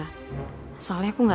soalnya aku gak tau siapa orang ini